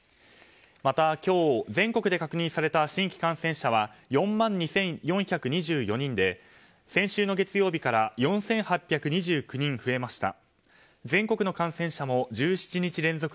また今日、全国で確認された新規感染者は４万２４２４人で先週の月曜日から４８２９人増えました。